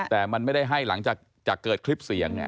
แต่มันไม่ได้ให้หลังจากเกิดคลิปเสียง